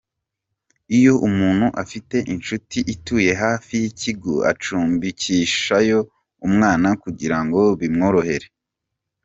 Iyo umuntu afite inshuti ituye hafi y’ikigo acumbikishayo umwana kugira ngo bimworohere.